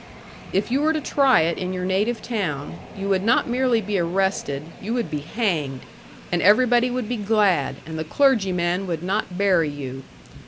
If you were to try it in your native town, you would not merely be arrested, you would be hanged, and everybody would be glad, and the clergyman would not bury you.